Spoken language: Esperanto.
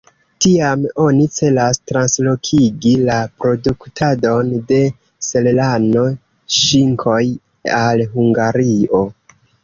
Tiam oni celas translokigi la produktadon de serrano-ŝinkoj al Hungario.